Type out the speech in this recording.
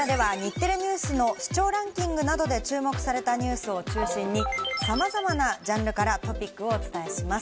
こちらでは日テレＮＥＷＳの視聴ランキングなどで注目されたニュースを中心に、さまざまなジャンルからトピックをお伝えします。